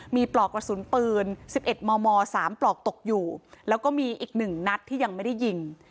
มีปลอกกระสุนปืน๑๑มม๓ปลอกตกอยู่แล้วก็มีอีก๑นัดที่ยังไม่ได้ยิง